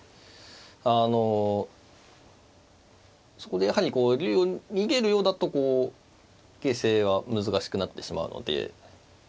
あのそこでやはり竜を逃げるようだとこう形勢が難しくなってしまうので。